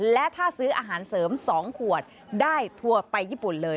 และถ้าซื้ออาหารเสริม๒ขวดได้ทัวร์ไปญี่ปุ่นเลย